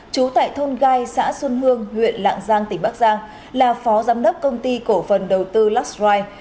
trú tại thôn gai xã xuân hương huyện lạng giang tỉnh bắc giang là phó giám đốc công ty cổ phần đầu tư laxride